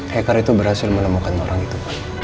hacker itu berhasil menemukan orang itu